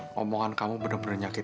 ngomongan kamu bener bener nyakitin aku